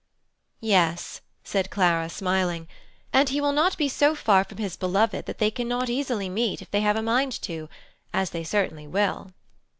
"Yes," said Clara, smiling, "and he will not be so far from his beloved that they cannot easily meet if they have a mind to as they certainly will."